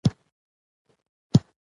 د محصل لپاره همکارۍ مهارت ضروري دی.